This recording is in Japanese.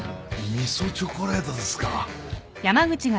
味噌チョコレートですか。